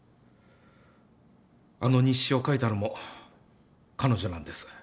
あの日誌を書いたのも彼女なんです。